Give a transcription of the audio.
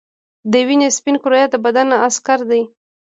د وینې سپین کرویات د بدن عسکر دي